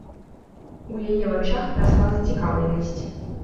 У яе вачах расла зацікаўленасць.